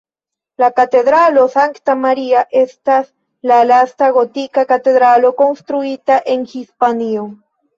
La Katedralo Sankta Maria estas la lasta gotika katedralo konstruita en Hispanio.